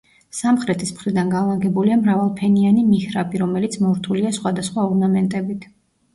სამხრეთის მხრიდან განლაგებულია მრავალფენიანი მიჰრაბი, რომელიც მორთულია სხვადასხვა ორნამენტებით.